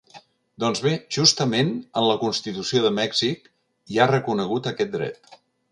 Doncs bé, justament en la constitució de Mèxic hi ha reconegut aquest dret.